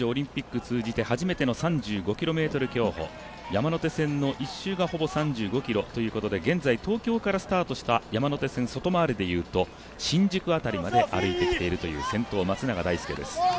山手線の１周がほぼ３５ｋｍということで現在、東京からスタートした山手線外回りでいうと新宿辺りまで歩いてきているという先頭・松永大介です。